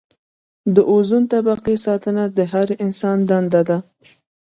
د اوزون طبقې ساتنه د هر انسان دنده ده.